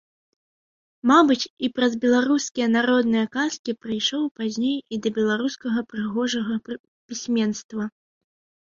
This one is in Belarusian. Мабыць, і праз беларускія народныя казкі прыйшоў пазней і да беларускага прыгожага пісьменства.